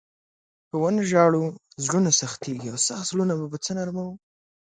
که و نه ژاړو، زړونه سختېږي او سخت زړونه به په څه نرموو؟